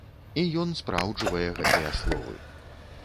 І ён спраўджвае гэтыя словы.